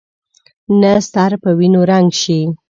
نه سر په وینو رنګ شي.